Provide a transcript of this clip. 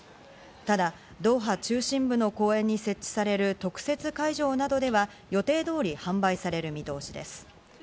ただドーハ中心部の公園に設置される特設会場などでは予定通り販売される見通しです。